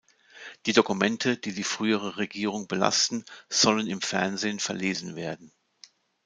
Die Dokumente, die die frühere Regierung belasten, sollen im Fernsehen verlesen werden.